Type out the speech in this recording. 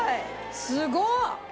すごっ！